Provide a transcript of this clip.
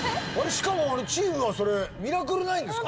しかもチームがそれミラクル９ですか？